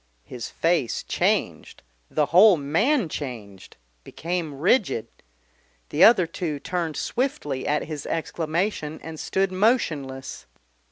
His face changed, the whole man changed, became rigid. The other two turned swiftly at his exclamation and stood motionless.